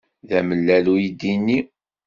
D amellal uydi-nni.